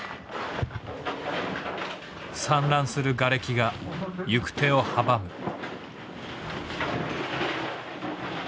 散乱するがれきが行く手を阻む。